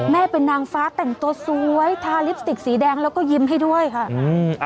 แม่เป็นนางฟ้าแต่งตัวสวยทาลิปสติกสีแดงแล้วก็ยิ้มให้ด้วยค่ะอืม